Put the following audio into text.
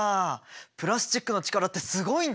プラスチックの力ってすごいんだね！